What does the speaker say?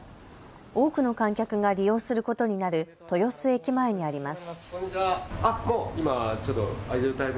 多くの観客が利用することになる豊洲駅前にあります。